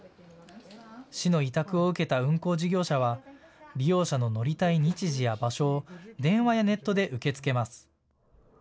市の委託を受けた運行事業者は利用者の乗りたい日時や場所を電話やネットで受け付けます。